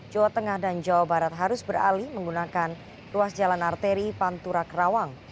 jawa tengah dan jawa barat harus beralih menggunakan ruas jalan arteri pantura kerawang